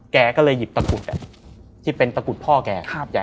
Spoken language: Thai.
แกก็เลยหยิบตะกรุดที่เป็นตะกรุดพ่อแก